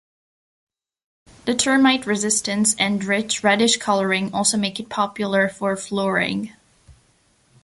The termite-resistance and rich, reddish colouring also make it popular for flooring.